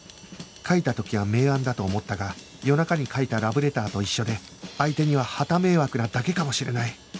書いた時は名案だと思ったが夜中に書いたラブレターと一緒で相手にははた迷惑なだけかもしれない